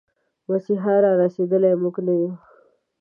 مسيحا را رسېدلی، موږه نه يو